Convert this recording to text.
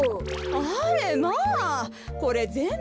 あれまあこれぜんぶ